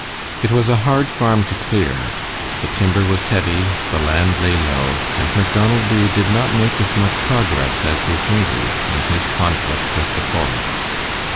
It was a hard farm to clear, the timber was heavy, the land lay low, and Macdonald Dubh did not make as much progress as his neighbors in his conflict with the forest.